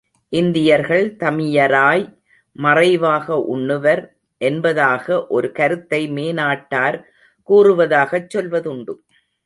இந்தியர்கள் தமியராய் மறைவாக உண்ணுவர் என்பதாக ஒரு கருத்தை மேனாட்டார் கூறுவதாகச் சொல்வதுண்டு.